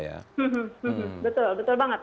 betul betul banget